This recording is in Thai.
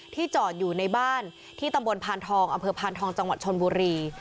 ที่จอดอยู่ในบ้านที่ตำบลพานทองอพานทองจชนบุรี